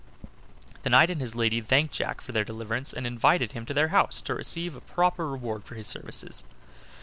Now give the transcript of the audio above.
The knight and his lady thanked Jack for their deliverance, and invited him to their house, to receive a proper reward for his services.